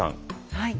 はい。